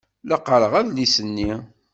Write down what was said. La qqaṛeɣ adlis-nni.